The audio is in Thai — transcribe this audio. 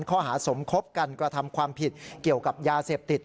ข้อหาสมคบกันกระทำความผิดเกี่ยวกับยาเสพติด